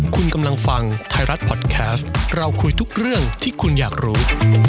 คุณกำลังฟังไทยรัฐพอดแคสต์เราคุยทุกเรื่องที่คุณอยากรู้